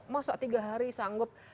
mau seok tiga hari sanggup